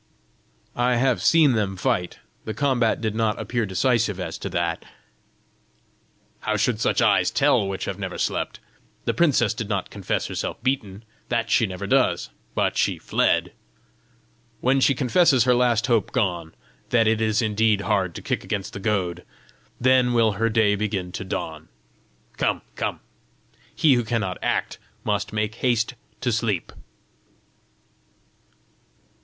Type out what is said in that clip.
"I have seen them fight: the combat did not appear decisive as to that." "How should such eyes tell which have never slept? The princess did not confess herself beaten that she never does but she fled! When she confesses her last hope gone, that it is indeed hard to kick against the goad, then will her day begin to dawn! Come; come! He who cannot act must make haste to sleep!"